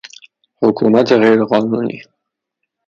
حکومت غیر قانونی